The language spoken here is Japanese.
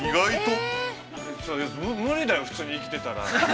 ◆無理だよ、普通に生きてたら。